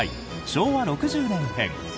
昭和６０年編。